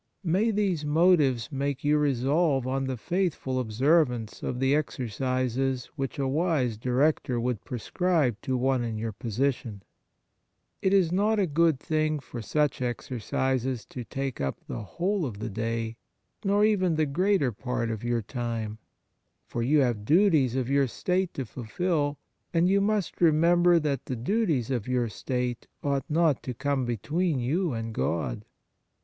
May these motives make you re solve on the faithful observance of the exercises which a wise director would prescribe to one in your posi tion ! It is not a good thing for such 68 The Nature of Piety exercises to take up the whole of the day, nor even the greater part of your time. For you have the duties of your state to fulfil, and you must re member that the duties of your state ought not to come between you and God.